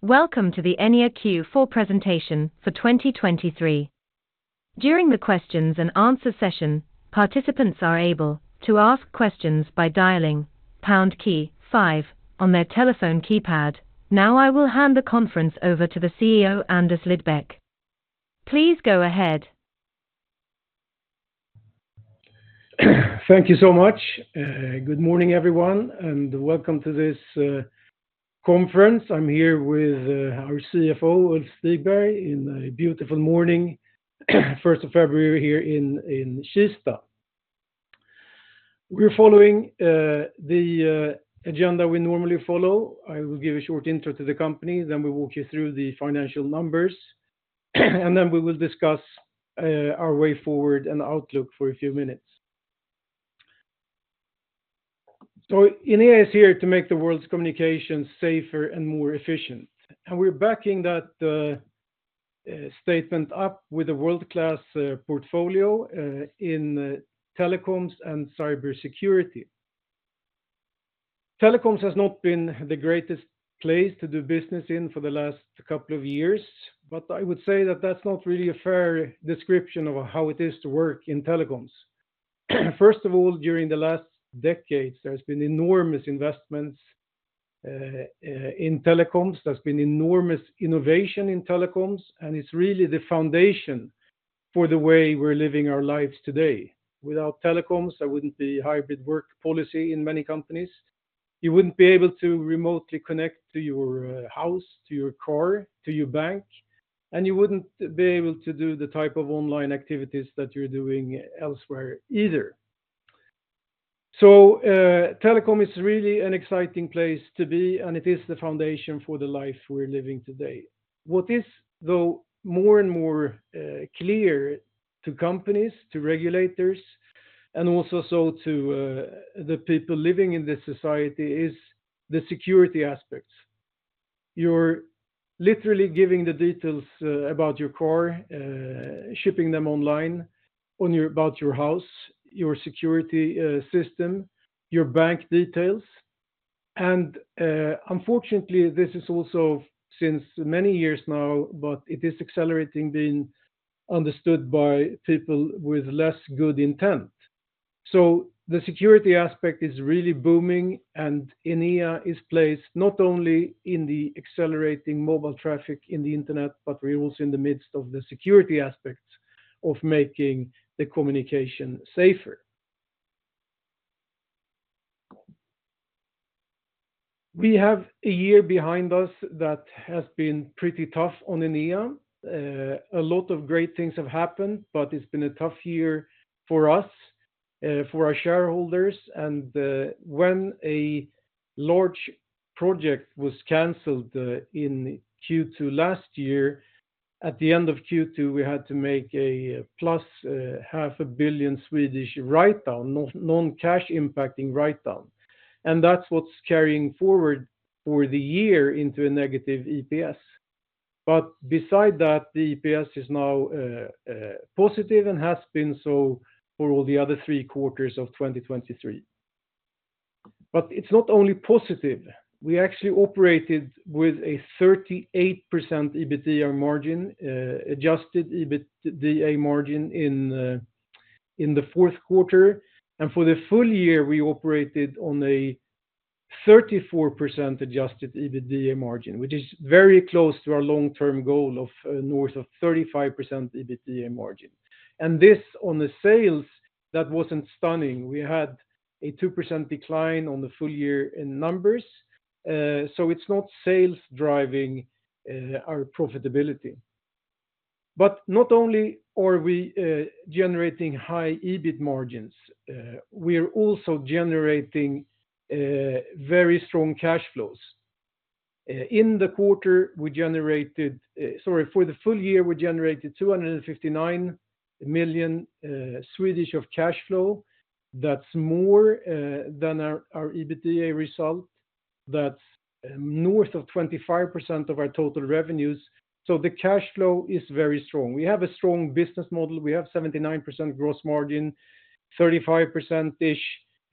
Welcome to the Enea Q4 presentation for 2023. During the questions and answer session, participants are able to ask questions by dialing pound key five on their telephone keypad. Now, I will hand the conference over to the CEO, Anders Lidbeck. Please go ahead. Thank you so much. Good morning, everyone, and welcome to this conference. I'm here with our CFO, Ulf Stigberg, in a beautiful morning, first of February, here in Kista. We're following the agenda we normally follow. I will give a short intro to the company, then we'll walk you through the financial numbers, and then we will discuss our way forward and outlook for a few minutes. So Enea is here to make the world's communication safer and more efficient, and we're backing that statement up with a world-class portfolio in telecoms and cybersecurity. Telecoms has not been the greatest place to do business in for the last couple of years, but I would say that that's not really a fair description of how it is to work in telecoms. First of all, during the last decades, there's been enormous investments in telecoms. There's been enormous innovation in telecoms, and it's really the foundation for the way we're living our lives today. Without telecoms, there wouldn't be hybrid work policy in many companies. You wouldn't be able to remotely connect to your house, to your car, to your bank, and you wouldn't be able to do the type of online activities that you're doing elsewhere either. So, telecom is really an exciting place to be, and it is the foundation for the life we're living today. What is, though, more and more clear to companies, to regulators, and also to the people living in this society is the security aspects. You're literally giving the details about your car, sharing them online, about your house, your security system, your bank details. And, unfortunately, this is also since many years now, but it is accelerating, being understood by people with less good intent. So the security aspect is really booming, and Enea is placed not only in the accelerating mobile traffic in the internet, but we're also in the midst of the security aspects of making the communication safer. We have a year behind us that has been pretty tough on Enea. A lot of great things have happened, but it's been a tough year for us, for our shareholders. When a large project was canceled in Q2 last year, at the end of Q2, we had to make half a billion SEK write-down, non-cash impacting write-down, and that's what's carrying forward for the year into a negative EPS. Besides that, the EPS is now positive and has been so for all the other three quarters of 2023. It's not only positive. We actually operated with a 38% EBITDA margin, adjusted EBITDA margin in the fourth quarter. And for the full year, we operated on a 34% adjusted EBITDA margin, which is very close to our long-term goal of north of 35% EBITDA margin. And this on the sales, that wasn't stunning. We had a 2% decline on the full year in numbers, so it's not sales driving our profitability. But not only are we generating high EBIT margins, we are also generating very strong cash flows. In the quarter, we generated... Sorry, for the full year, we generated 259 million of cash flow. That's more than our EBITDA result. That's north of 25% of our total revenues, so the cash flow is very strong. We have a strong business model. We have 79% gross margin, 35%-ish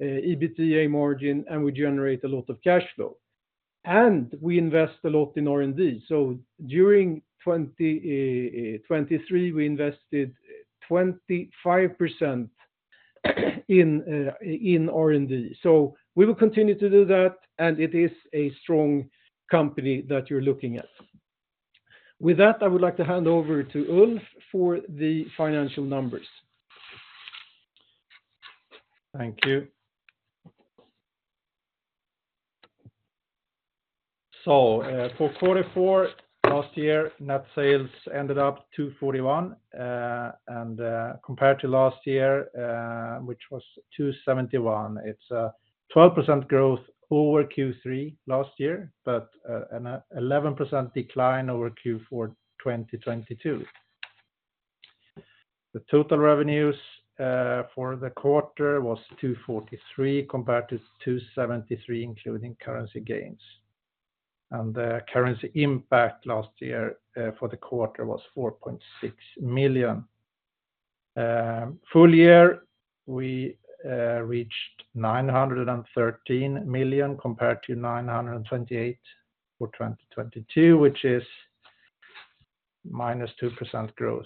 EBITDA margin, and we generate a lot of cash flow, and we invest a lot in R&D. So during 2023, we invested 25% in R&D. We will continue to do that, and it is a strong company that you're looking at. With that, I would like to hand over to Ulf for the financial numbers. Thank you. So, for Q4 last year, net sales ended up 241 million, and compared to last year, which was 271 million, it's a 12% growth over Q3 last year, but an 11% decline over Q4 2022. The total revenues for the quarter was 243 million compared to 273 million, including currency gains. And the currency impact last year for the quarter was 4.6 million. Full year, we reached 913 million compared to 928 million for 2022, which is -2% growth.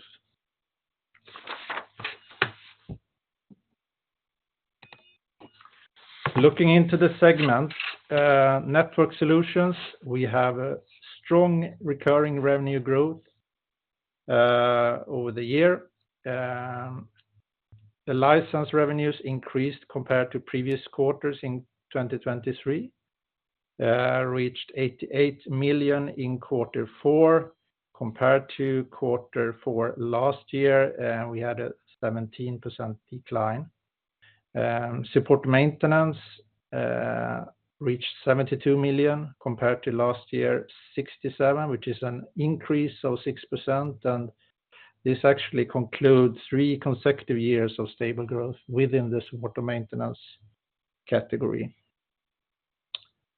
Looking into the segments, Network Solutions, we have a strong recurring revenue growth over the year. The license revenues increased compared to previous quarters in 2023, reached 88 million in quarter four, compared to quarter four last year, we had a 17% decline. Support maintenance reached 72 million compared to last year, 67 million, which is an increase of 6%, and this actually concludes 3 consecutive years of stable growth within the support and maintenance category.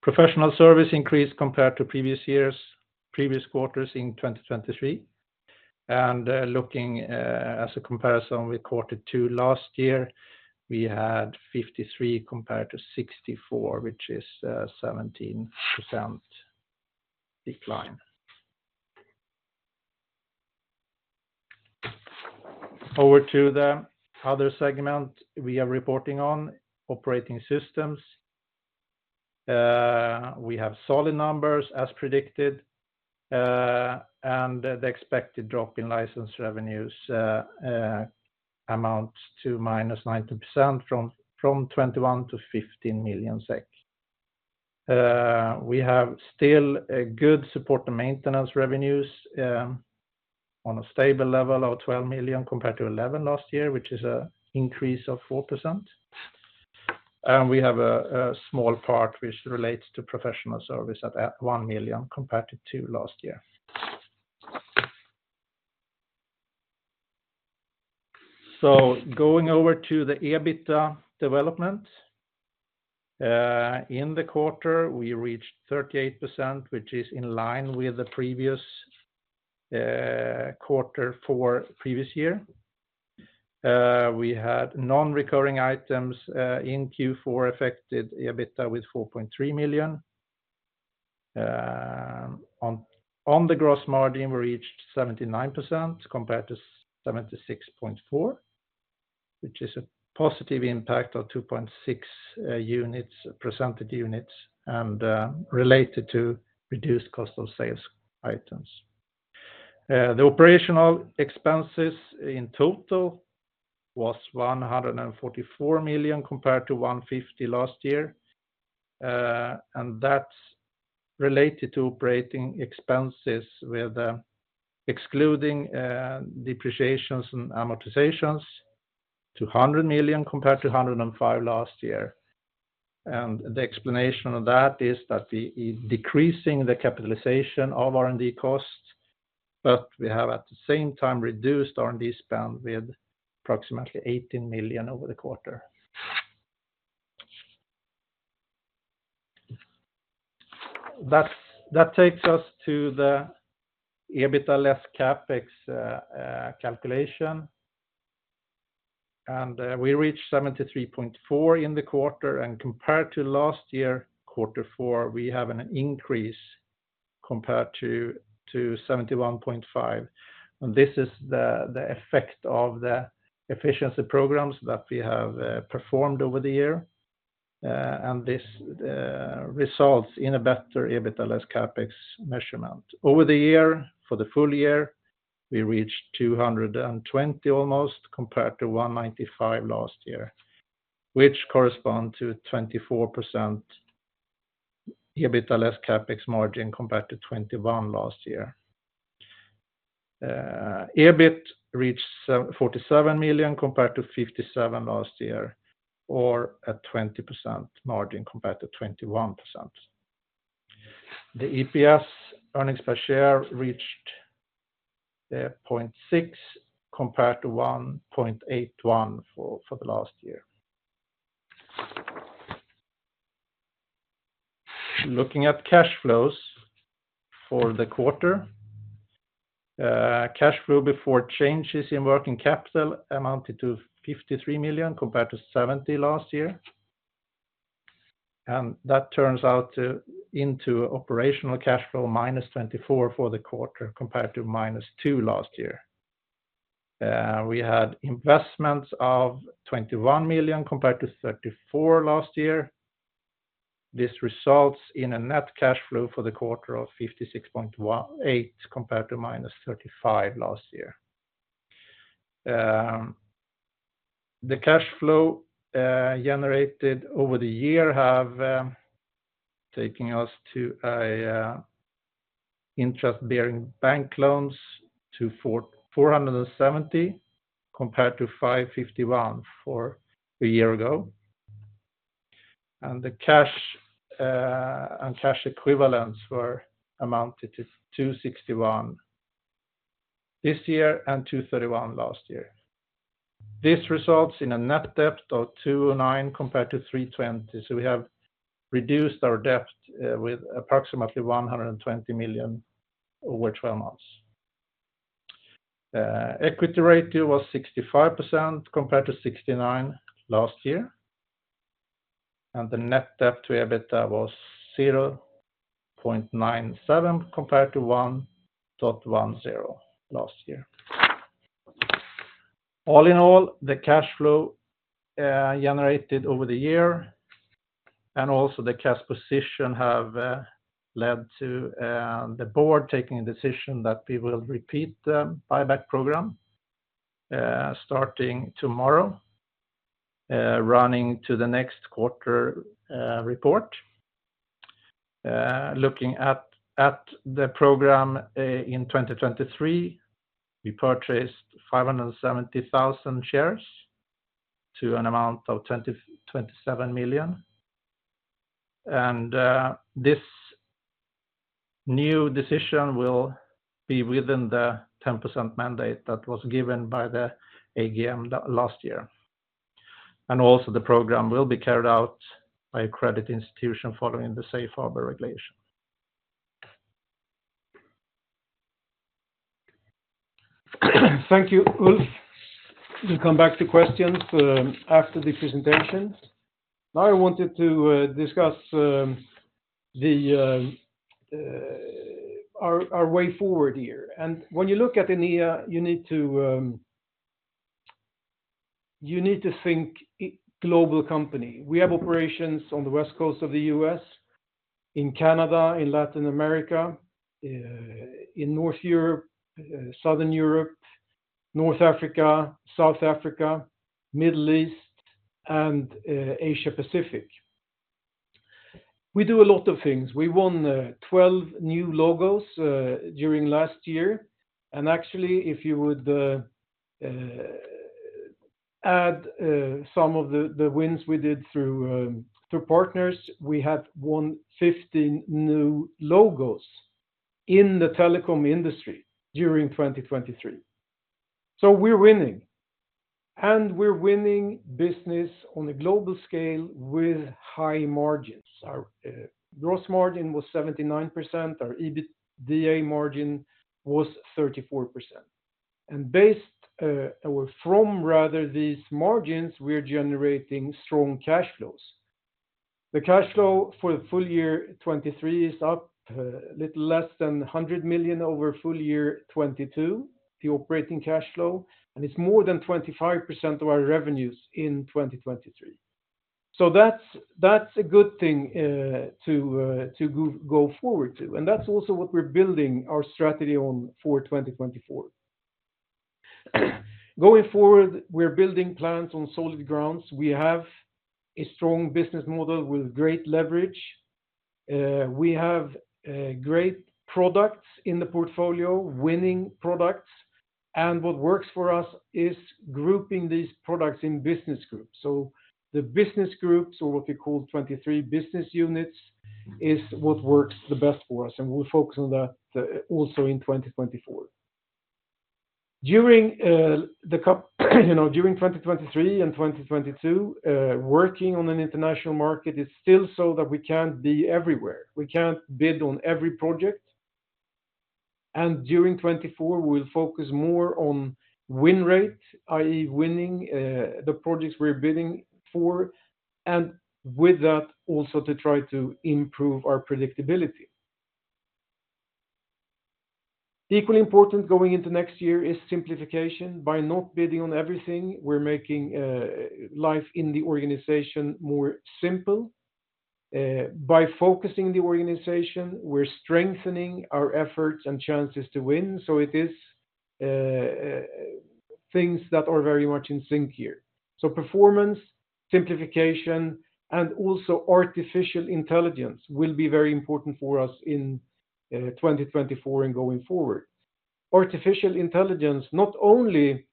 Professional service increased compared to previous years, previous quarters in 2023. Looking as a comparison with quarter two last year, we had 53 compared to 64, which is 17% decline. Over to the other segment, we are reporting on operating systems. We have solid numbers as predicted, and the expected drop in license revenues amounts to -90% from 21 million to 15 million SEK. We have still a good support and maintenance revenues on a stable level of 12 million compared to 11 million last year, which is a increase of 4%. We have a small part which relates to professional service at 1 million, compared to 2 million last year. So going over to the EBITDA development. In the quarter, we reached 38%, which is in line with the previous quarter for previous year. We had non-recurring items in Q4, affected EBITDA with 4.3 million. On the gross margin, we reached 79%, compared to 76.4%, which is a positive impact of 2.6 percentage units, and related to reduced cost of sales items. The operational expenses in total was 144 million, compared to 150 million last year. And that's related to operating expenses with, excluding depreciations and amortizations, 200 million compared to 105 million last year. The explanation of that is that decreasing the capitalization of R&D costs, but we have, at the same time, reduced R&D spend with approximately 18 million over the quarter. That takes us to the EBITDA less CapEx calculation. We reached 73.4 in the quarter, and compared to last year quarter four, we have an increase compared to 71.5. This is the effect of the efficiency programs that we have performed over the year. This results in a better EBITDA less CapEx measurement. Over the year, for the full year, we reached almost 220, compared to 195 last year, which correspond to 24% EBITDA less CapEx margin, compared to 21 last year. EBIT reached 47 million compared to 57 million last year, or a 20% margin compared to 21%. The EPS, earnings per share, reached 0.6 compared to 1.81 for the last year. Looking at cash flows for the quarter, cash flow before changes in working capital amounted to 53 million compared to 70 million last year. And that turns out into operational cash flow -24 million for the quarter, compared to -2 million last year. We had investments of 21 million compared to 34 million last year. This results in a net cash flow for the quarter of 56.18 million, compared to -35 million last year. The cash flow generated over the year have taking us to a interest bearing bank loans to 447 compared to 551 a year ago. And the cash and cash equivalents were amounted to 261 this year and 231 last year. This results in a net debt of 209 compared to 320. So we have-... reduced our debt with approximately 120 million over 12 months. Equity ratio was 65% compared to 69% last year, and the net debt to EBITDA was 0.97 compared to 1.10 last year. All in all, the cash flow generated over the year and also the cash position have led to the board taking a decision that we will repeat the buyback program starting tomorrow running to the next quarter report. Looking at the program in 2023, we purchased 570,000 shares to an amount of 27 million. This new decision will be within the 10% mandate that was given by the AGM last year. The program will be carried out by a credit institution following the Safe Harbor regulation. Thank you, Ulf. We'll come back to questions after the presentation. Now, I wanted to discuss our way forward here. And when you look at Enea, you need to think global company. We have operations on the West Coast of the U.S., in Canada, in Latin America, in North Europe, Southern Europe, North Africa, South Africa, Middle East, and Asia Pacific. We do a lot of things. We won 12 new logos during last year. And actually, if you would add some of the wins we did through partners, we have won 15 new logos in the telecom industry during 2023. So we're winning, and we're winning business on a global scale with high margins. Our gross margin was 79%, our EBITDA margin was 34%. And based, or from, rather, these margins, we're generating strong cash flows. The cash flow for the full year 2023 is up, little less than 100 million over full year 2022, the operating cash flow, and it's more than 25% of our revenues in 2023. So that's, that's a good thing, to, to go, go forward to, and that's also what we're building our strategy on for 2024. Going forward, we're building plans on solid grounds. We have a strong business model with great leverage. We have, great products in the portfolio, winning products, and what works for us is grouping these products in business groups. So the business groups, or what we call 23 business units, is what works the best for us, and we'll focus on that also in 2024. During the couple, you know, during 2023 and 2022, working on an international market is still so that we can't be everywhere. We can't bid on every project. And during 2024, we'll focus more on win rate, i.e., winning the projects we're bidding for, and with that, also to try to improve our predictability. Equally important, going into next year is simplification. By not bidding on everything, we're making life in the organization more simple. By focusing the organization, we're strengthening our efforts and chances to win, so it is things that are very much in sync here. Performance, simplification, and also artificial intelligence will be very important for us in 2024 and going forward. Artificial intelligence, not only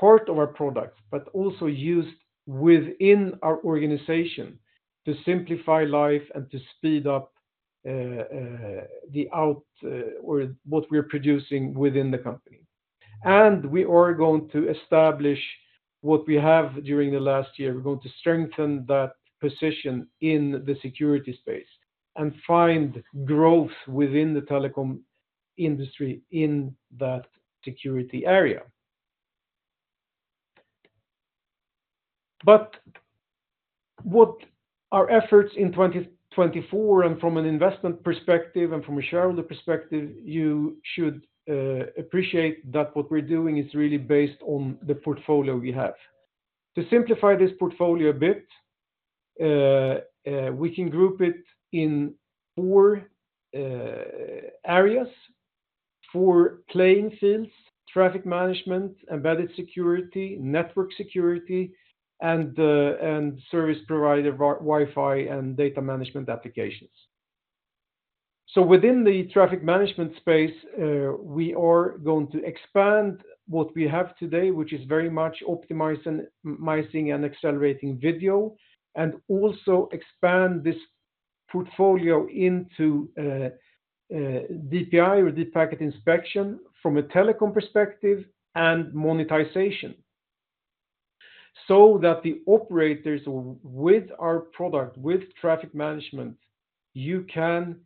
part of our products, but also used within our organization to simplify life and to speed up the out or what we're producing within the company. We are going to establish what we have during the last year. We're going to strengthen that position in the security space and find growth within the telecom industry in that security area. What our efforts in 2024 and from an investment perspective and from a shareholder perspective, you should appreciate that what we're doing is really based on the portfolio we have. To simplify this portfolio a bit, we can group it in four areas, four playing fields: traffic management, embedded security, network security, and service provider Wi-Fi and data management applications. So within the traffic management space, we are going to expand what we have today, which is very much optimizing, minimizing and accelerating video, and also expand this portfolio into DPI, or deep packet inspection from a telecom perspective and monetization. So that the operators with our product, with traffic management, you can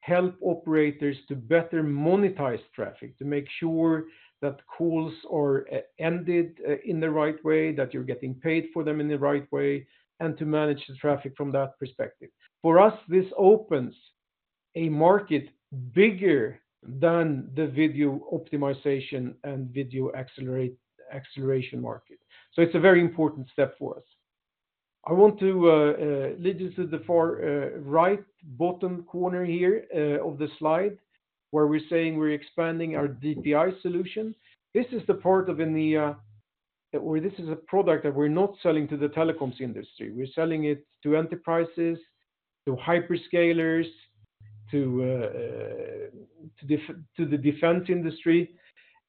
help operators to better monetize traffic, to make sure that calls are ended in the right way, that you're getting paid for them in the right way, and to manage the traffic from that perspective. For us, this opens a market bigger than the video optimization and video acceleration market. So it's a very important step for us. I want to lead you to the far right bottom corner here of the slide, where we're saying we're expanding our DPI solution. This is the part of Enea, or this is a product that we're not selling to the telecoms industry. We're selling it to enterprises, to hyperscalers, to the defense industry.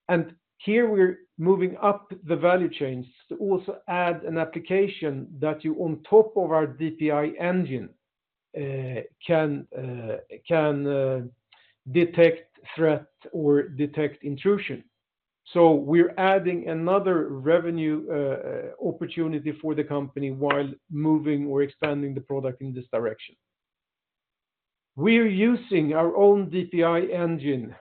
And here, we're moving up the value chains to also add an application that you, on top of our DPI engine, can detect threats or detect intrusion. So we're adding another revenue opportunity for the company while moving or expanding the product in this direction. We're using our own DPI engine,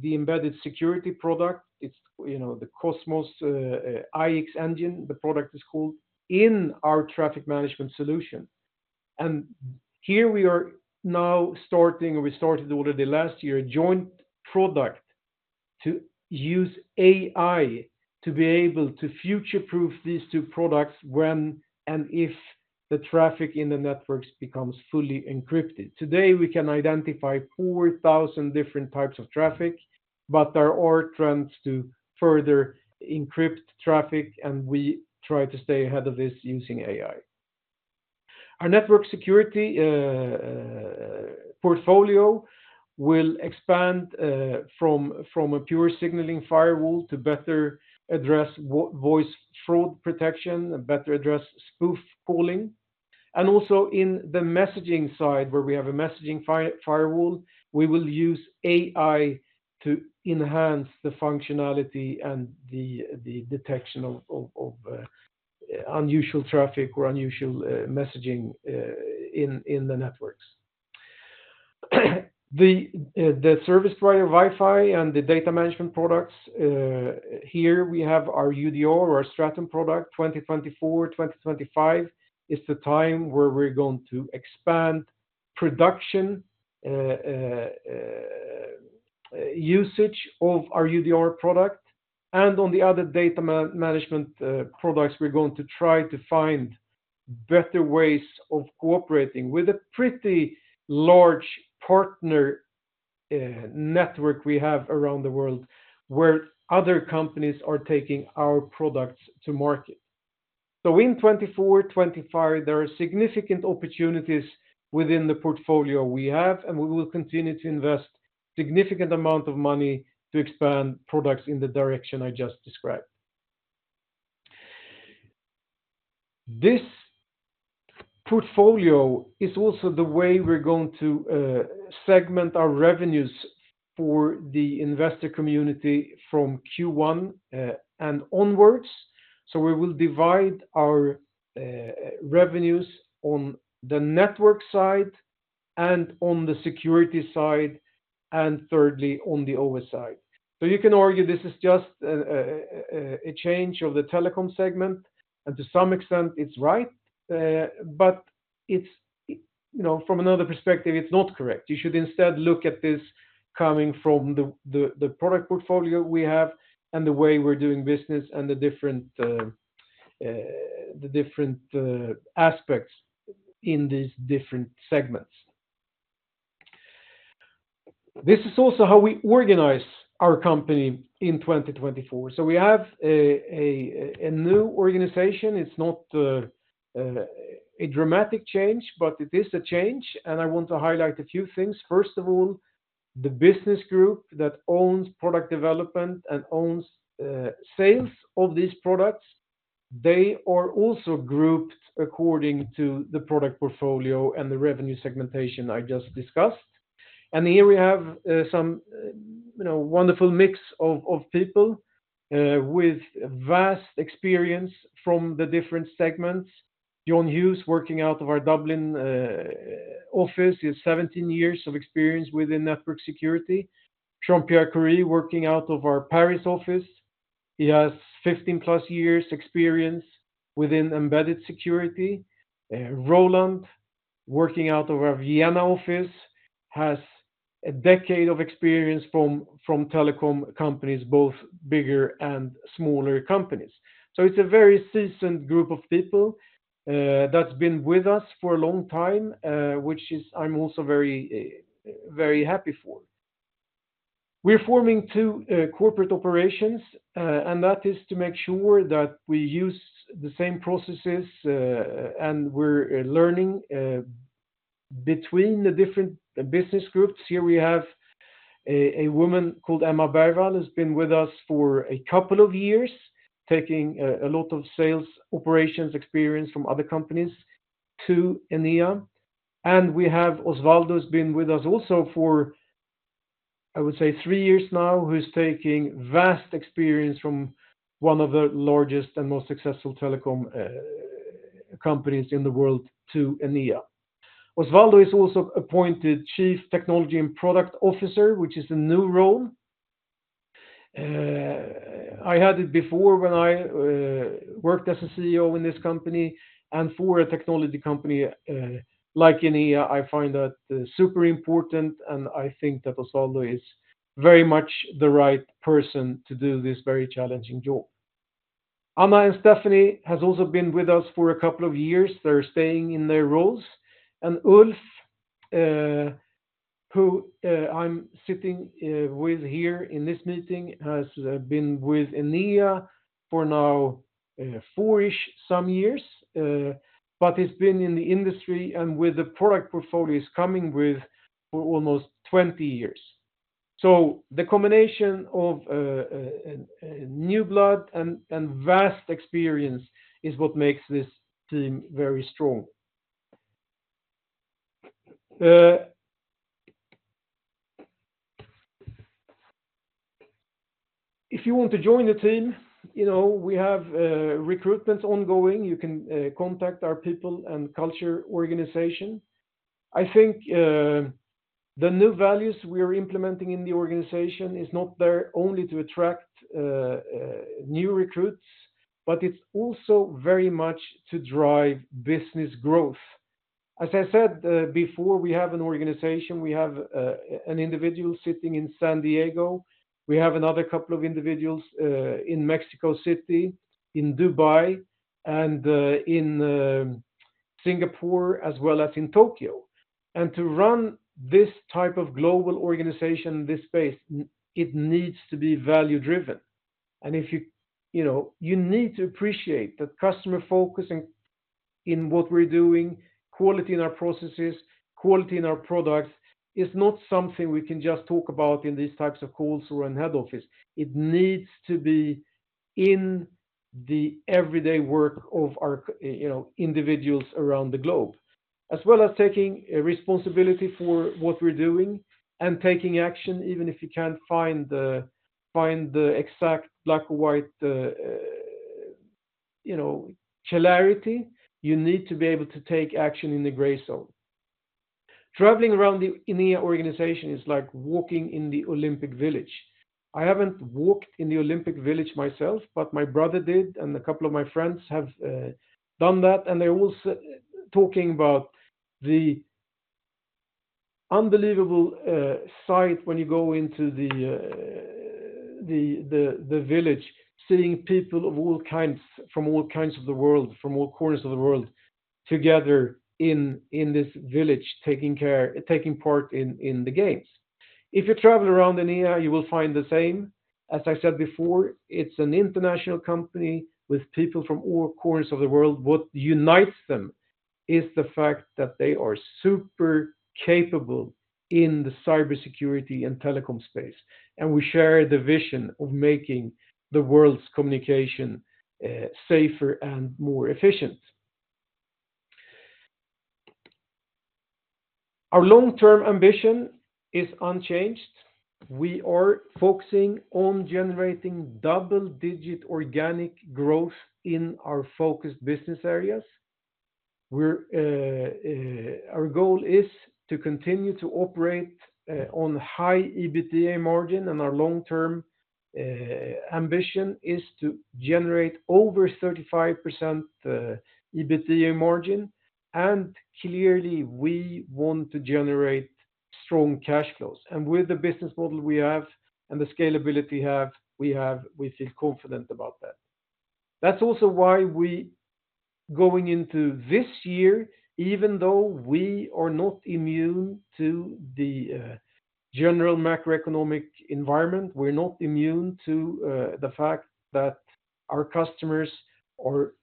the embedded security product. It's, you know, the Qosmos ixEngine, the product is called, in our traffic management solution. Here we are now starting; we started already last year a joint product to use AI to be able to future-proof these two products when and if the traffic in the networks becomes fully encrypted. Today, we can identify 4,000 different types of traffic, but there are trends to further encrypt traffic, and we try to stay ahead of this using AI. Our network security portfolio will expand from a pure signaling firewall to better address voice fraud protection and better address spoof calling. And also in the messaging side, where we have a messaging firewall, we will use AI to enhance the functionality and the detection of unusual traffic or unusual messaging in the networks. The service provider Wi-Fi and the data management products, here we have our UDR or our Stratum product. 2024, 2025 is the time where we're going to expand production, usage of our UDR product. And on the other data management, products, we're going to try to find better ways of cooperating with a pretty large partner, network we have around the world, where other companies are taking our products to market. So in 2024, 2025, there are significant opportunities within the portfolio we have, and we will continue to invest significant amount of money to expand products in the direction I just described. This portfolio is also the way we're going to, segment our revenues for the investor community from Q1, and onwards. So we will divide our, revenues on the network side and on the security side, and thirdly, on the OS side. So you can argue this is just a change of the telecom segment, and to some extent, it's right. But it's, you know, from another perspective, it's not correct. You should instead look at this coming from the product portfolio we have and the way we're doing business and the different aspects in these different segments. This is also how we organize our company in 2024. So we have a new organization. It's not a dramatic change, but it is a change, and I want to highlight a few things. First of all, the business group that owns product development and owns sales of these products, they are also grouped according to the product portfolio and the revenue segmentation I just discussed. Here we have some, you know, wonderful mix of people with vast experience from the different segments. John Hughes, working out of our Dublin office, he has 17 years of experience within network security. Jean-Philippe Coury, working out of our Paris office, he has 15+ years experience within embedded security. Roland, working out of our Vienna office, has a decade of experience from telecom companies, both bigger and smaller companies. So it's a very seasoned group of people that's been with us for a long time, which is I'm also very, very happy for. We're forming two corporate operations, and that is to make sure that we use the same processes and we're learning between the different business groups. Here we have a woman called Emma Bergvall, who's been with us for a couple of years, taking a lot of sales operations experience from other companies to Enea. And we have Osvaldas, been with us also for I would say three years now, who is taking vast experience from one of the largest and most successful telecom companies in the world to Enea. Osvaldas is also appointed Chief Technology and Product Officer, which is a new role. I had it before when I worked as a CEO in this company, and for a technology company like Enea, I find that super important, and I think that Osvaldas is very much the right person to do this very challenging job. Anna and Stephanie has also been with us for a couple of years. They're staying in their roles. Ulf, who I'm sitting with here in this meeting, has been with Enea for now four-ish some years, but he's been in the industry and with the product portfolios coming with for almost 20 years. So the combination of new blood and vast experience is what makes this team very strong. If you want to join the team, you know, we have recruitment ongoing. You can contact our People and Culture organization. I think the new values we are implementing in the organization is not there only to attract new recruits, but it's also very much to drive business growth. As I said before, we have an organization, we have an individual sitting in San Diego. We have another couple of individuals in Mexico City, in Dubai, and in Singapore, as well as in Tokyo. And to run this type of global organization, this space, it needs to be value-driven. And if you, you know, you need to appreciate that customer focusing in what we're doing, quality in our processes, quality in our products, is not something we can just talk about in these types of calls or in head office. It needs to be in the everyday work of our, you know, individuals around the globe. As well as taking responsibility for what we're doing and taking action even if you can't find the exact black or white, you know, clarity, you need to be able to take action in the gray zone. Traveling around the Enea organization is like walking in the Olympic Village. I haven't walked in the Olympic Village myself, but my brother did, and a couple of my friends have done that, and they're all talking about the unbelievable sight when you go into the village, seeing people of all kinds, from all kinds of the world, from all corners of the world, together in this village, taking part in the games. If you travel around Enea, you will find the same. As I said before, it's an international company with people from all corners of the world. What unites them is the fact that they are super capable in the cybersecurity and telecom space, and we share the vision of making the world's communication safer and more efficient. Our long-term ambition is unchanged. We are focusing on generating double-digit organic growth in our focused business areas, where our goal is to continue to operate on high EBITDA margin, and our long-term ambition is to generate over 35% EBITDA margin, and clearly, we want to generate strong cash flows. And with the business model we have and the scalability we have, we have, we feel confident about that. That's also why we, going into this year, even though we are not immune to the general macroeconomic environment, we're not immune to the fact that our customers are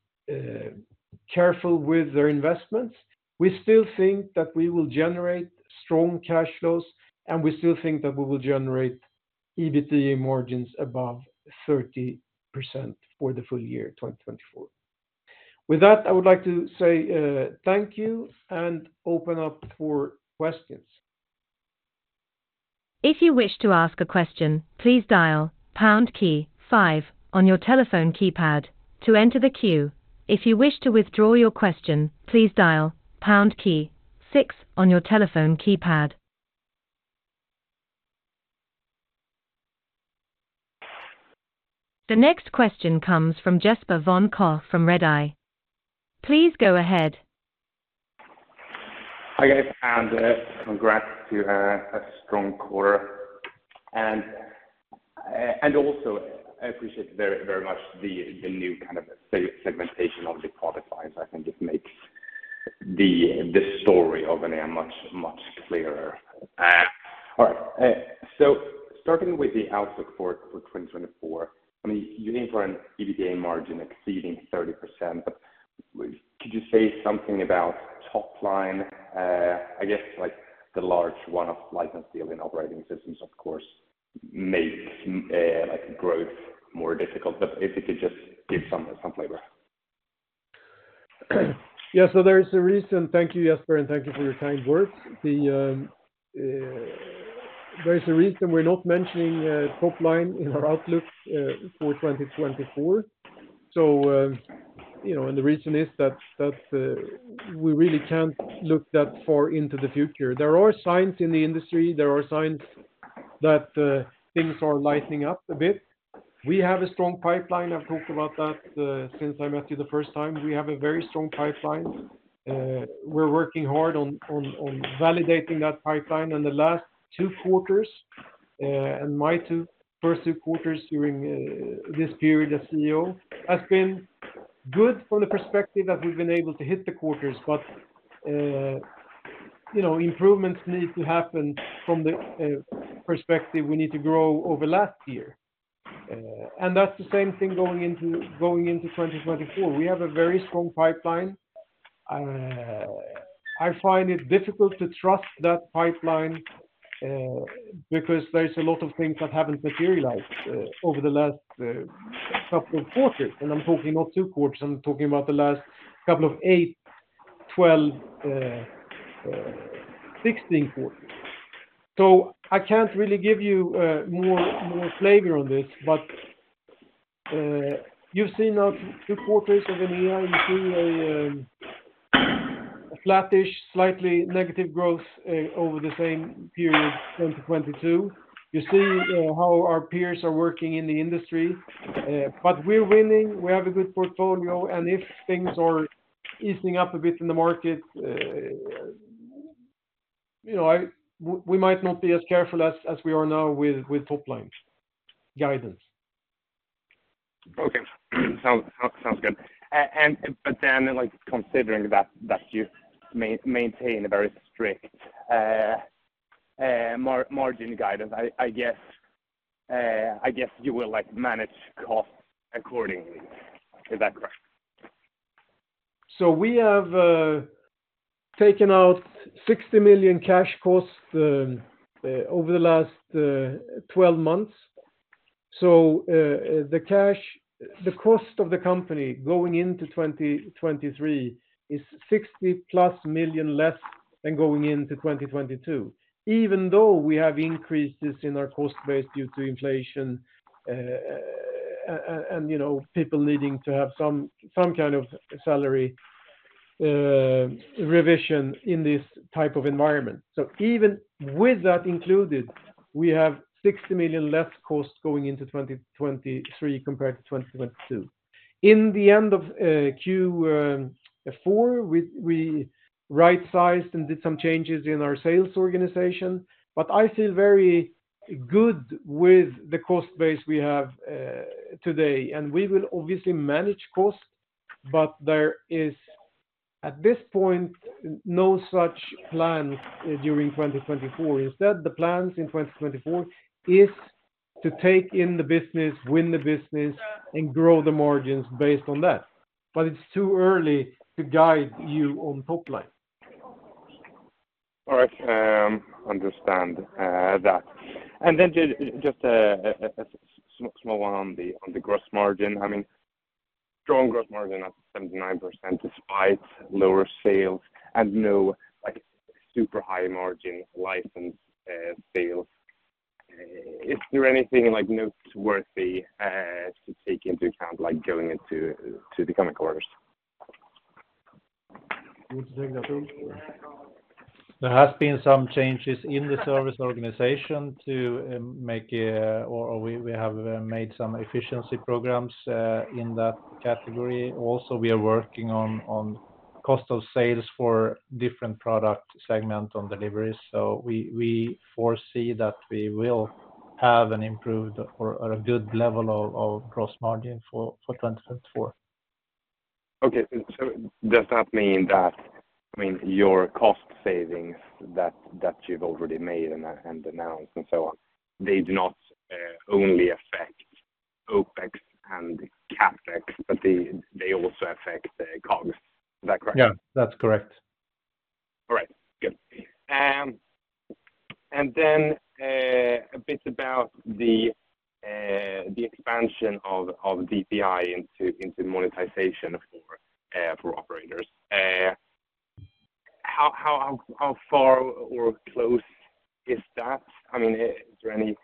careful with their investments. We still think that we will generate strong cash flows, and we still think that we will generate EBITDA margins above 30% for the full year 2024. With that, I would like to say thank you and open up for questions. If you wish to ask a question, please dial pound key five on your telephone keypad to enter the queue. If you wish to withdraw your question, please dial pound key six on your telephone keypad. The next question comes from Jesper von Koch from Redeye. Please go ahead. Hi, guys, and congrats to a strong quarter. And also, I appreciate very, very much the new kind of segmentation of the product lines. I think it makes the story of Enea much, much clearer. All right, so starting with the outlook for 2024, I mean, you're in for an EBITDA margin exceeding 30%, but could you say something about top line? I guess like the large one-off license deal in operating systems, of course, makes like growth more difficult, but if you could just give some flavor.... Yeah, so there is a reason. Thank you, Jesper, and thank you for your kind words. The, there's a reason we're not mentioning top line in our outlook for 2024. So, you know, and the reason is that we really can't look that far into the future. There are signs in the industry, there are signs that things are lightening up a bit. We have a strong pipeline. I've talked about that since I met you the first time. We have a very strong pipeline. We're working hard on validating that pipeline. And the last two quarters, and my first two quarters during this period as CEO, has been good from the perspective that we've been able to hit the quarters. But, you know, improvements need to happen from the perspective we need to grow over last year. And that's the same thing going into, going into 2024. We have a very strong pipeline. I find it difficult to trust that pipeline because there's a lot of things that haven't materialized over the last couple of quarters, and I'm talking about two quarters. I'm talking about the last couple of eight, 12, 16 quarters. So I can't really give you more flavor on this, but you've seen our two quarters of a year. You see a flattish, slightly negative growth over the same period, 2022. You see how our peers are working in the industry, but we're winning. We have a good portfolio, and if things are easing up a bit in the market, you know, we might not be as careful as we are now with top line guidance. Okay. Sounds good. But then, like, considering that you maintain a very strict margin guidance, I guess you will, like, manage costs accordingly. Is that correct? So we have taken out 60 million cash costs over the last 12 months. So the cash. The cost of the company going into 2023 is 60+ million less than going into 2022. Even though we have increases in our cost base due to inflation, and you know, people needing to have some kind of salary revision in this type of environment. So even with that included, we have 60 million less costs going into 2023 compared to 2022. In the end of Q4, we right-sized and did some changes in our sales organization, but I feel very good with the cost base we have today. And we will obviously manage costs, but there is, at this point, no such plan during 2024. Instead, the plans in 2024 is to take in the business, win the business, and grow the margins based on that. But it's too early to guide you on top line. All right, understand that. And then just a small one on the gross margin. I mean, strong gross margin at 79%, despite lower sales and no, like, super high margin license sales. Is there anything, like, noteworthy, to take into account, like, going into the coming quarters? There has been some changes in the service organization to make or we have made some efficiency programs in that category. Also, we are working on cost of sales for different product segment on deliveries. So we foresee that we will have an improved or a good level of gross margin for 2024. Okay. So does that mean that, I mean, your cost savings that you've already made and announced and so on, they do not only affect OpEx and CapEx, but they also affect the COGS. Is that correct? Yeah, that's correct. All right, good. And then, a bit about the expansion of DPI into monetization for operators. How far or close is that? I mean, is there any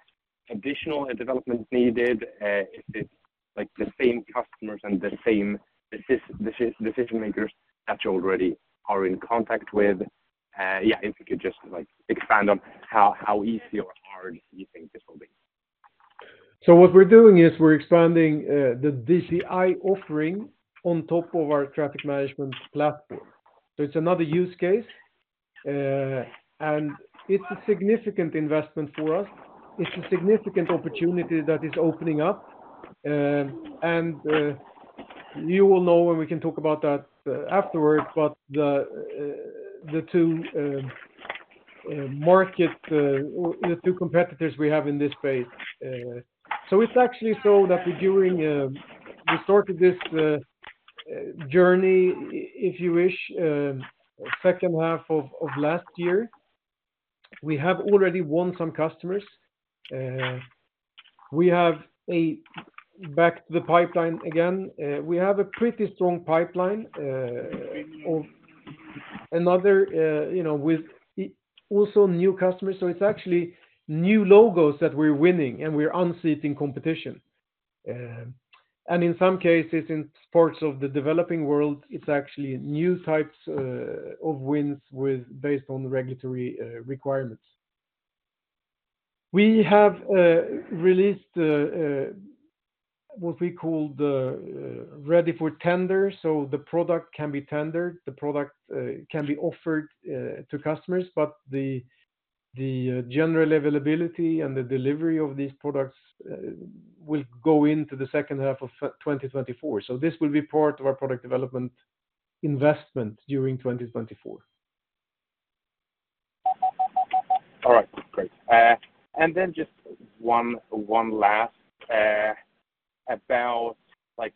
additional developments needed? Is it, like, the same customers and the same decision makers that you already are in contact with? Yeah, if you could just, like, expand on how easy or hard you think this will be. So what we're doing is we're expanding the DCI offering on top of our traffic management platform. So it's another use case, and it's a significant investment for us. It's a significant opportunity that is opening up. You will know, and we can talk about that afterwards, but the two competitors we have in this space. So it's actually so that we. We started this journey, if you wish, second half of last year. We have already won some customers, and we have a backlog in the pipeline again. We have a pretty strong pipeline of another, you know, with also new customers. So it's actually new logos that we're winning, and we're unseating competition. In some cases, in parts of the developing world, it's actually new types of wins with based on the regulatory requirements. We have released what we call the ready for tender, so the product can be tendered, the product can be offered to customers, but the general availability and the delivery of these products will go into the second half of 2024. So this will be part of our product development investment during 2024. All right, great. And then just one last about like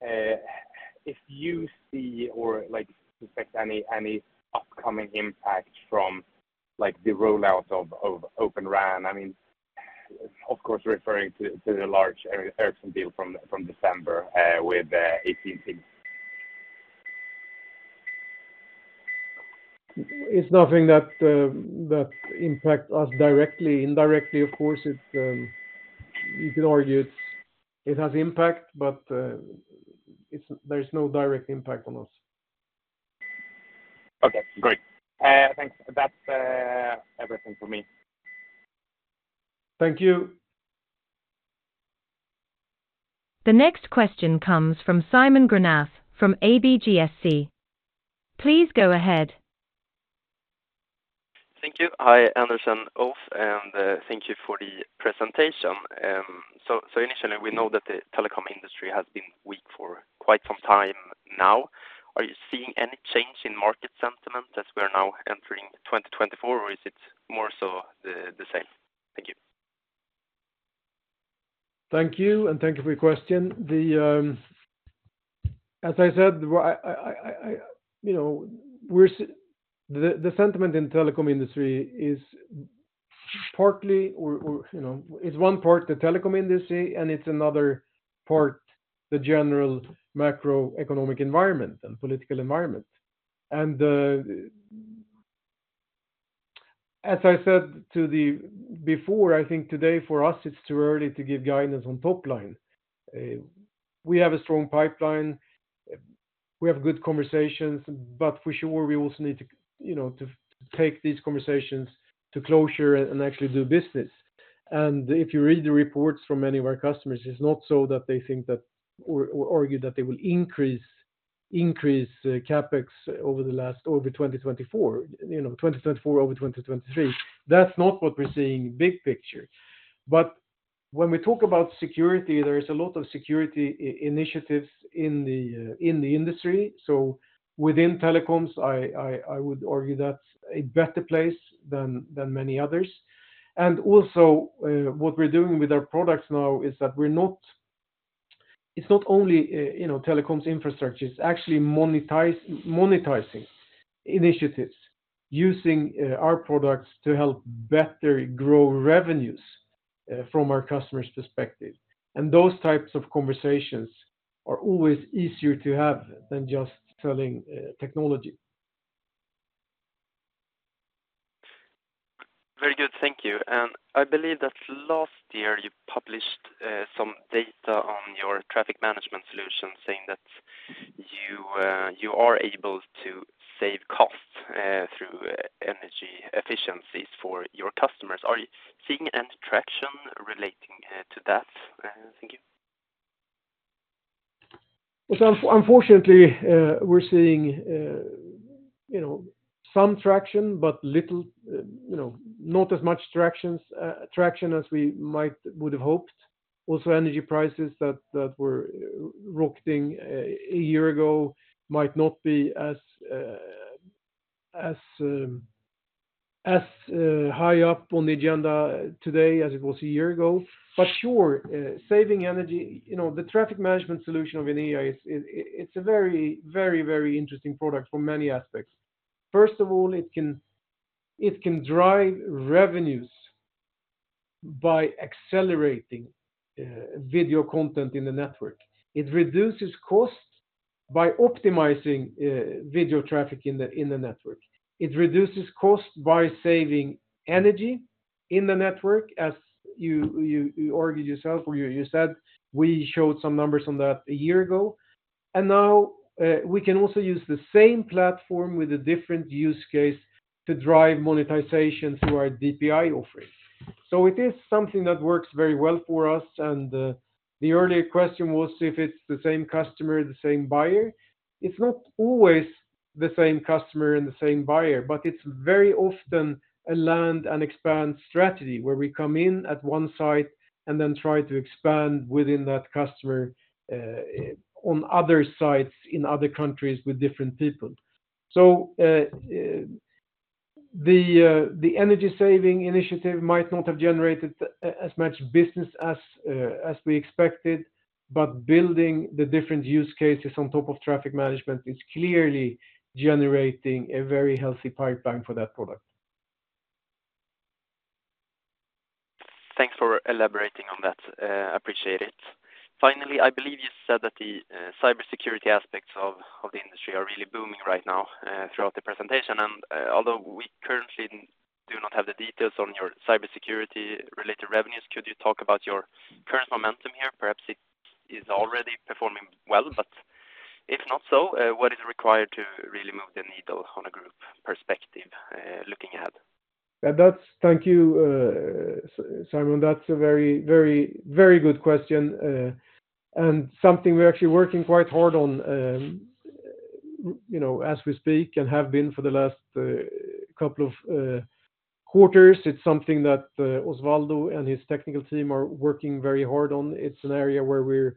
if you see or like expect any upcoming impact from like the rollout of Open RAN. I mean, of course, referring to the large Ericsson deal from December with AT&T. It's nothing that impact us directly. Indirectly, of course, you could argue it has impact, but there's no direct impact on us. Okay, great. Thanks. That's everything for me. Thank you. The next question comes from Simon Granath, from ABGSC. Please go ahead. Thank you. Hi, Anders and Ulf, and thank you for the presentation. So initially, we know that the telecom industry has been weak for quite some time now. Are you seeing any change in market sentiment as we are now entering 2024, or is it more so the same? Thank you. Thank you, and thank you for your question. As I said, well, you know, the sentiment in telecom industry is partly or, you know, it's one part the telecom industry, and it's another part, the general macroeconomic environment and political environment. As I said before, I think today for us, it's too early to give guidance on top line. We have a strong pipeline, we have good conversations, but for sure, we also need to, you know, to take these conversations to closure and actually do business. And if you read the reports from many of our customers, it's not so that they think that or argue that they will increase CapEx over 2024, you know, 2024 over 2023. That's not what we're seeing big picture. But when we talk about security, there is a lot of security initiatives in the industry. So within telecoms, I would argue that's a better place than many others. And also, what we're doing with our products now is that we're not—it's not only, you know, telecoms infrastructure, it's actually monetizing initiatives, using our products to help better grow revenues from our customer's perspective. And those types of conversations are always easier to have than just selling technology. Very good. Thank you. And I believe that last year, you published some data on your traffic management solution, saying that you are able to save costs through energy efficiencies for your customers. Are you seeing any traction relating to that? Thank you. So unfortunately, we're seeing, you know, some traction, but little, you know, not as much traction as we might would have hoped. Also, energy prices that were rocketing a year ago might not be as high up on the agenda today as it was a year ago. But sure, saving energy, you know, the traffic management solution of Enea is, it's a very, very, very interesting product for many aspects. First of all, it can drive revenues by accelerating video content in the network. It reduces costs by optimizing video traffic in the network. It reduces cost by saving energy in the network, as you argued yourself or you said we showed some numbers on that a year ago. And now, we can also use the same platform with a different use case to drive monetization through our DPI offering. So it is something that works very well for us, and, the earlier question was, if it's the same customer, the same buyer? It's not always the same customer and the same buyer, but it's very often a land and expand strategy, where we come in at one site and then try to expand within that customer, on other sites, in other countries with different people. So, the, the energy saving initiative might not have generated as much business as, as we expected... but building the different use cases on top of traffic management is clearly generating a very healthy pipeline for that product. Thanks for elaborating on that, appreciate it. Finally, I believe you said that the cybersecurity aspects of the industry are really booming right now, throughout the presentation. Although we currently do not have the details on your cybersecurity-related revenues, could you talk about your current momentum here? Perhaps it is already performing well, but if not so, what is required to really move the needle on a group perspective, looking ahead? Yeah, that's—Thank you, Simon. That's a very, very, very good question, and something we're actually working quite hard on, you know, as we speak and have been for the last couple of quarters. It's something that Osvaldas and his technical team are working very hard on. It's an area where we're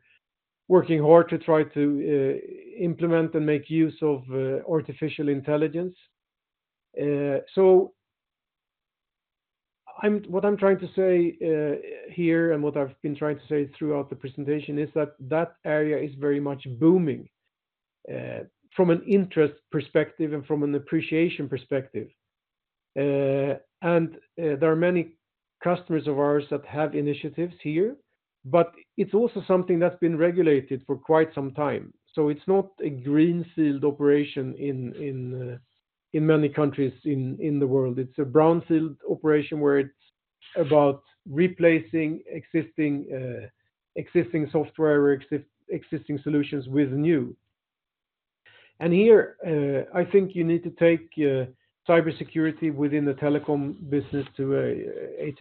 working hard to try to implement and make use of artificial intelligence. So, what I'm trying to say here, and what I've been trying to say throughout the presentation, is that that area is very much booming from an interest perspective and from an appreciation perspective. And there are many customers of ours that have initiatives here, but it's also something that's been regulated for quite some time. So it's not a greenfield operation in many countries in the world. It's a brownfield operation where it's about replacing existing software or existing solutions with new. And here, I think you need to take cybersecurity within the telecom business to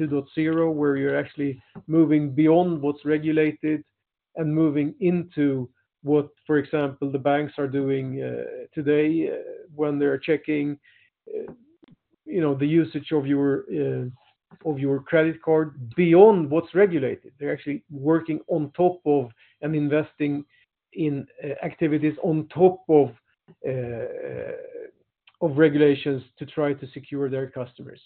8.0, where you're actually moving beyond what's regulated and moving into what, for example, the banks are doing today, when they're checking, you know, the usage of your credit card beyond what's regulated. They're actually working on top of and investing in activities on top of regulations to try to secure their customers.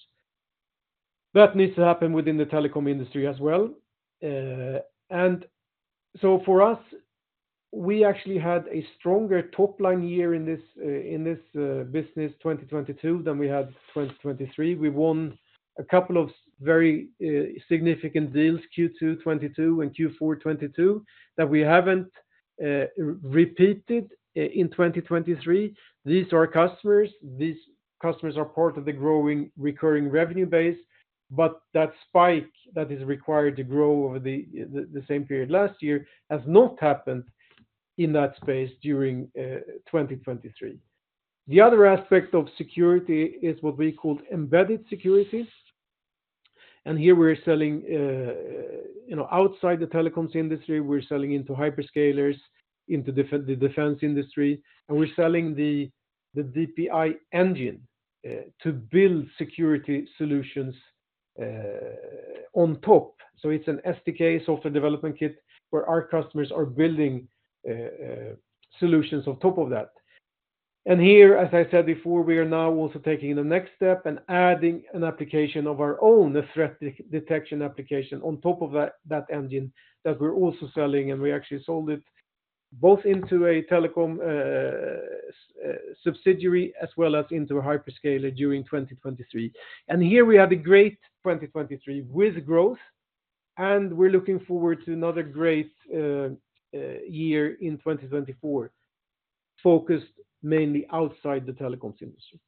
That needs to happen within the telecom industry as well. And so for us, we actually had a stronger top-line year in this business, 2022, than we had 2023. We won a couple of very significant deals, Q2 2022 and Q4 2022, that we haven't repeated in 2023. These are our customers. These customers are part of the growing recurring revenue base, but that spike that is required to grow over the same period last year has not happened in that space during 2023. The other aspect of security is what we call embedded securities, and here we're selling, you know, outside the telecoms industry, we're selling into hyperscalers, into the defense industry, and we're selling the DPI engine to build security solutions on top. So it's an SDK, software development kit, where our customers are building solutions on top of that. Here, as I said before, we are now also taking the next step and adding an application of our own, the threat detection application, on top of that, that engine that we're also selling, and we actually sold it both into a telecom subsidiary as well as into a hyperscaler during 2023. Here we have a great 2023 with growth, and we're looking forward to another great year in 2024, focused mainly outside the telecoms industry.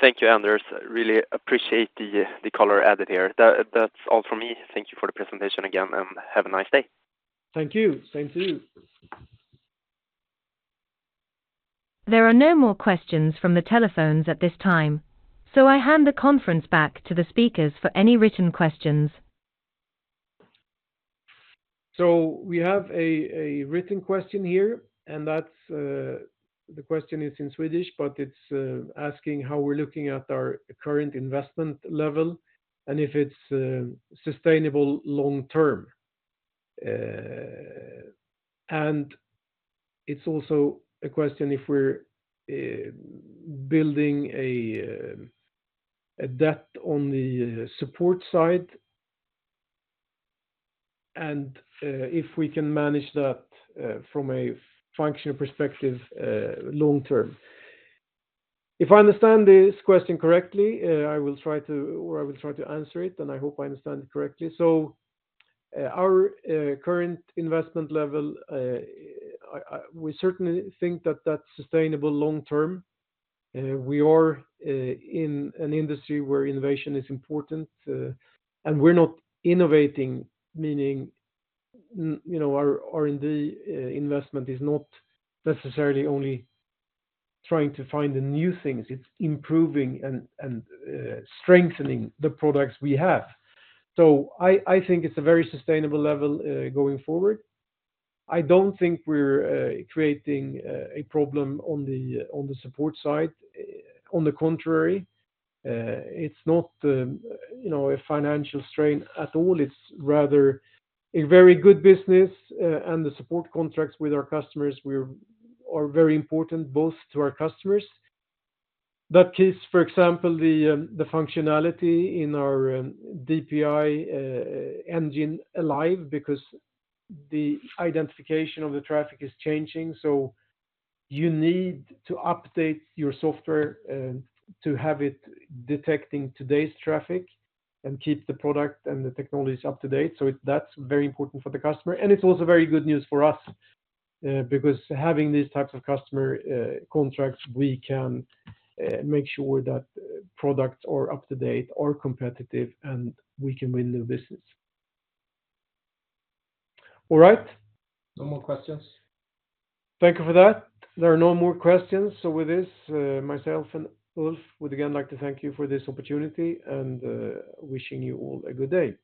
Thank you, Anders. Really appreciate the color added here. That's all from me. Thank you for the presentation again, and have a nice day. Thank you. Same to you. There are no more questions from the telephones at this time, so I hand the conference back to the speakers for any written questions. So we have a written question here, and that's the question is in Swedish, but it's asking how we're looking at our current investment level and if it's sustainable long term. And it's also a question if we're building a debt on the support side, and if we can manage that from a functional perspective long term. If I understand this question correctly, I will try to, or I will try to answer it, and I hope I understand it correctly. So our current investment level, we certainly think that that's sustainable long term. We are in an industry where innovation is important, and we're not innovating, meaning, you know, our R&D investment is not necessarily only trying to find the new things, it's improving and strengthening the products we have. So I think it's a very sustainable level going forward. I don't think we're creating a problem on the support side. On the contrary, it's not, you know, a financial strain at all. It's rather a very good business, and the support contracts with our customers are very important, both to our customers. That keeps, for example, the functionality in our DPI engine alive because the identification of the traffic is changing. So you need to update your software, to have it detecting today's traffic and keep the product and the technologies up to date. So that's very important for the customer, and it's also very good news for us, because having these types of customer contracts, we can make sure that products are up to date or competitive, and we can win new business. All right. No more questions. Thank you for that. There are no more questions. With this, myself and Ulf would again like to thank you for this opportunity, and wishing you all a good day.